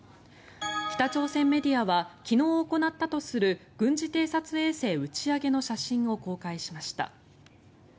北朝鮮メディアは昨日行ったとする軍事偵察衛星打ち上げの写真を公開しました。